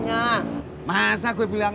ada yang mayanku yang kata minta bapaknya